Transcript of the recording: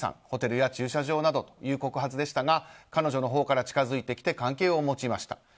ホテルや駐車場などという告発でしたが彼女のほうから近づいてきて関係を持ちました。